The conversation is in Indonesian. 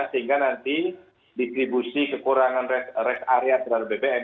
sehingga nanti distribusi kekurangan rest area terhadap bbm